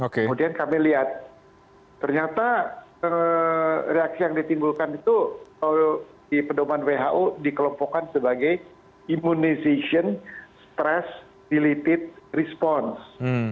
kemudian kami lihat ternyata reaksi yang ditimbulkan itu di pendorongan who dikelompokkan sebagai immunization stress dilipid response